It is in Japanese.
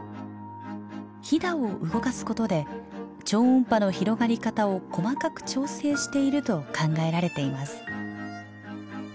ヒダを動かすことで超音波の広がり方を細かく調整していると考えられています。